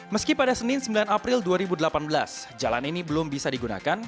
meski pada senin sembilan april dua ribu delapan belas jalan ini belum bisa digunakan